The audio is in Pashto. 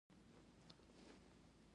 پوهنتون د علمي نوښتونو لپاره بنسټیز ځای دی.